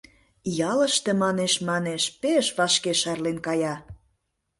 Ялыште «манеш-манеш» пеш вашке шарлен кая.